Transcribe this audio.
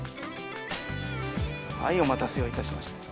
はいお待たせを致しました。